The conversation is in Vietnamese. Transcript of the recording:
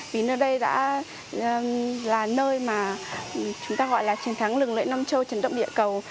vì nơi đây đã là nơi mà chúng ta gọi là trần tháng lừng lễ năm châu trần động địa cầu